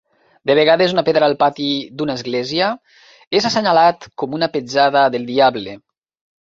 De vegades, una pedra al pati d'una església és assenyalat com una petjada del diable.